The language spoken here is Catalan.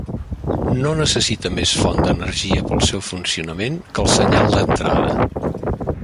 No necessita més font d'energia per al seu funcionament que el senyal d'entrada.